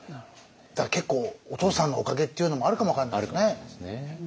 だから結構お父さんのおかげっていうのもあるかも分かんないですね。